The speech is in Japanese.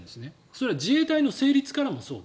それは自衛隊の成立からもそう。